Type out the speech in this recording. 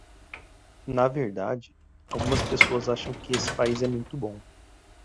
Na verdade, algumas pessoas acham que esse país é muito bom.